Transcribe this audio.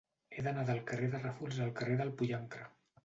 He d'anar del carrer de Ràfols al carrer del Pollancre.